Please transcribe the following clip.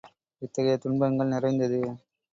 இத்தகைய துன்பங்கள் நிறைந்தது.